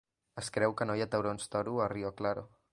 Es creu que no hi ha taurons toro a Rio Claro.